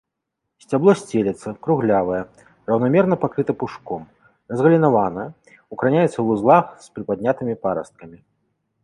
Сцябло сцелецца, круглявае, раўнамерна пакрыта пушком, разгалінавана, укараняецца ў вузлах, з прыпаднятымі парасткамі.